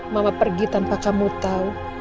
mama pergi tanpa kamu tahu